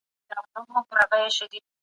که شتمن زکات ورکړي نو فقر له منځه ځي.